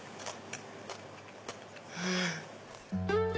うん！